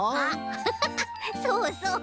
ハハハハそうそう。